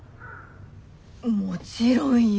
もちろんよ。